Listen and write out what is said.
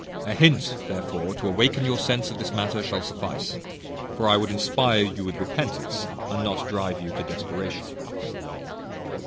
A hint, therefore, to awaken your sense of this matter, shall suffice; for I would inspire you with repentance, and not drive you to desperation.